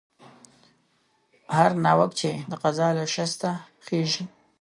هر ناوک چې د قضا له شسته خېژي